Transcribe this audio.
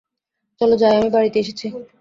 চল যাই আমি বাড়িতে এসেছি!